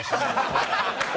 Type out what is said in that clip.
ハハハハ！